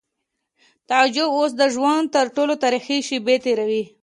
تعجب اوس د ژوند تر ټولو ترخې شېبې تېرولې